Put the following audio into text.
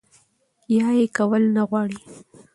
يا ئې کول نۀ غواړي